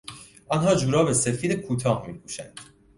آنها جوراب سفید کوتاه میپوشند.